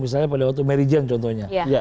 misalnya pada waktu mary jane contohnya